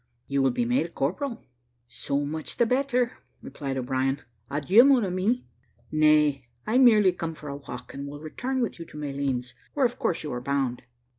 You will be made a corporal." "So much the better," replied O'Brien; "adieu, mon ami." "Nay, I merely came for a walk, and will return with you to Malines, where of course you are bound."